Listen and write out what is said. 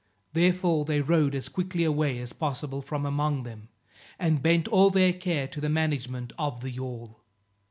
Therefore they rowed as quickly away as possible from among them, and bent all their care to the management of the yawl.